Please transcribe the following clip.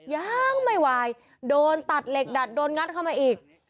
ยังไม่ไหวโดนตัดเหล็กดัดโดนงัดเข้ามาอีก